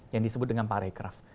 yang disebut dengan parecraft